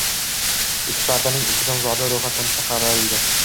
Ikki partiyaning ikki nomzodi ro'jxatdan ciqarildi